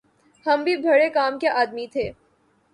ہم بھی بھڑے کام کے آدمی تھے